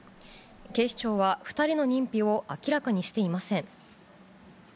警視庁は、２人の認否を明らかにしていません。